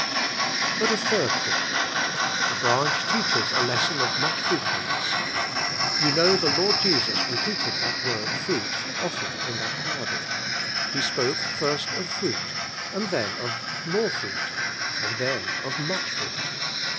But a third thought The branch teaches a lesson of much fruitfulness. You know the Lord Jesus repeated that word fruit, often in that parable; He spoke, first of fruit, and then of more fruit, and then of much fruit.